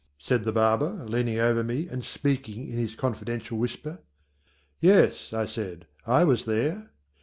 said the barber, leaning over me and speaking in his confidential whisper. "Yes," I said, "I was there."